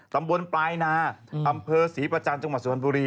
ตำบลปลายนาอำเภอศรีประจันทร์จังหวัดสุพรรณบุรี